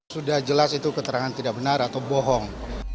sudah jelas itu keterangan tidak benar atau bohong